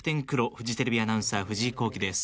フジテレビアナウンサー藤井弘輝です。